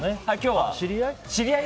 知り合い？